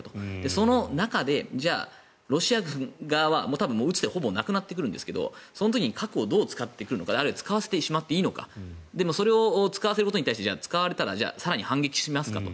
その中で、じゃあロシア軍側は打つ手はほぼなくなってくるんですけどその時に核をどう使ってくるかあるいは核を使わせていいのかでもそれを使わせることに対して使われたら更に反撃しますかと。